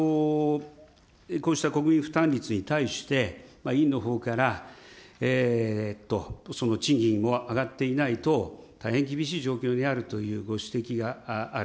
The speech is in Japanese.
こうした国民負担率に対して、委員のほうから、賃金も上がっていない等、大変厳しい状況にあるというご指摘がある。